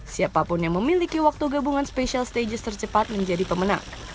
siapapun yang memiliki waktu gabungan special stages tercepat menjadi pemenang